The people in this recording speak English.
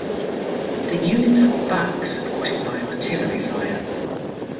The unit fought back supported by artillery fire.